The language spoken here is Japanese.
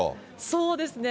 そうですね。